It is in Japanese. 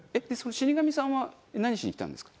死神さんは何しに来たんですか？